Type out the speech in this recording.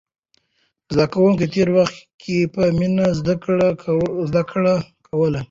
زده کوونکي تېر وخت کې په مینه زده کړه کوله.